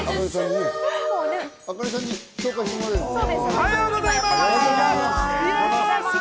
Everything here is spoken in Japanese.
おはようございます！